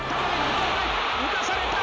浮かされた。